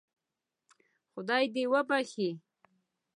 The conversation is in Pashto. خدای دې وبخشي.